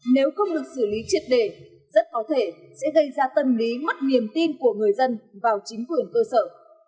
nếu không được xử lý triệt đề rất có thể sẽ gây ra tâm lý mất niềm tin của người dân vào chính quyền cơ sở